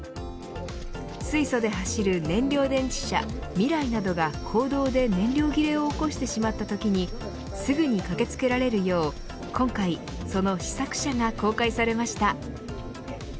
水素で走る燃料電池車ミライなどが公道で燃料切れを起こしてしまったときにすぐに駆けつけられるよう今回その試作車が公開されました。